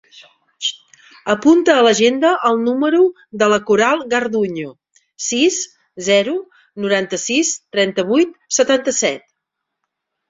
Apunta a l'agenda el número de la Coral Garduño: sis, zero, noranta-sis, trenta-vuit, setanta-set.